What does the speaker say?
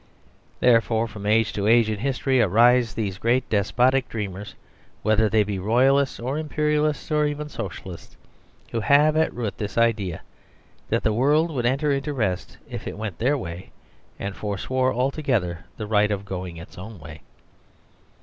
Therefore from age to age in history arise these great despotic dreamers, whether they be Royalists or Imperialists or even Socialists, who have at root this idea, that the world would enter into rest if it went their way and forswore altogether the right of going its own way.